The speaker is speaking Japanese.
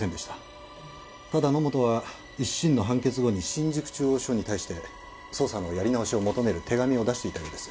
ただ野本は一審の判決後に新宿中央署に対して捜査のやり直しを求める手紙を出していたようです。